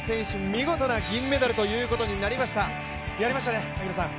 見事な銀メダルということになりました、やりましたね、萩野さん。